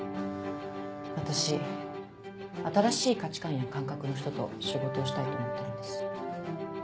私新しい価値観や感覚の人と仕事をしたいと思ってるんです。